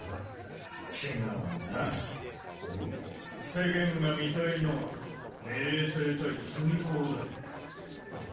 世間が見たいのは「明青対須見工」だよ。